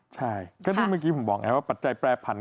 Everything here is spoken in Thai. ใช่ก็ที่เราบอกแบบไหนคือปัจจัยแปลผัน